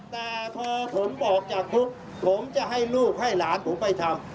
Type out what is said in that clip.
แต่พอผมออกจากคุกผมจะให้ลูกให้หลานผมไปทำ